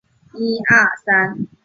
紫花橐吾是菊科橐吾属的植物。